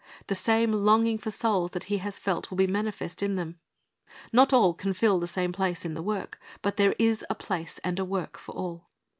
The same longing for souls that He has felt will be manifest in them. Not all can fill the same place in the work, but there is a place and a work for all.